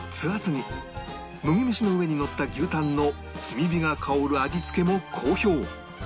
麦飯の上にのった牛たんの炭火が香る味付けも好評